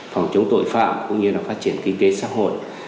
phòng chống tội phạm cũng như là phát triển kinh tế xã hội